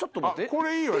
これいいわね。